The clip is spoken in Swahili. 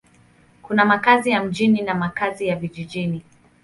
Kuna makazi ya mjini na makazi ya vijijini.